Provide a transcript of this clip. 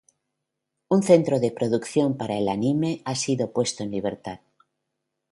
Un centro de producción para el anime ha sido puesto en libertad.